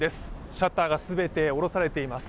シャッターが全て下ろされています。